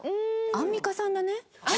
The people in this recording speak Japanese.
アンミカさんだ！